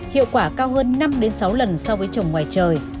hiệu quả cao hơn năm sáu lần so với trồng ngoài trời